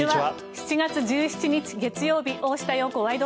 ７月１７日、月曜日「大下容子ワイド！